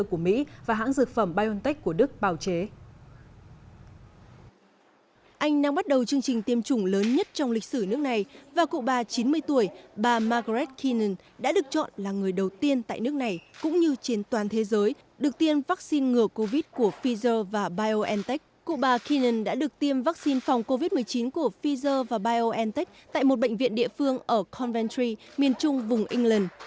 cụ bà keenan đã được tiêm vaccine phòng covid một mươi chín của pfizer và biontech tại một bệnh viện địa phương ở conventry miền trung vùng england